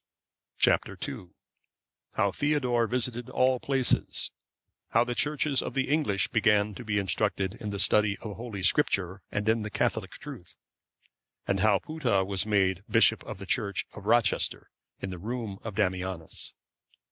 Chap. II. How Theodore visited all places; how the Churches of the English began to be instructed in the study of Holy Scripture, and in the Catholic truth; and how Putta was made bishop of the Church of Rochester in the room of Damianus.